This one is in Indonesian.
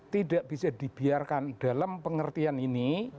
tidak bisa dibiarkan dalam pengertian ini